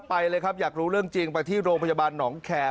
ไปเลยครับอยากรู้เรื่องจริงไปที่โรงพยาบาลหนองแคร์